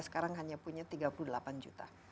sekarang hanya punya tiga puluh delapan juta